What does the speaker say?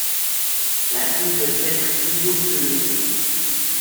La queue peut être plus rousse que le dos.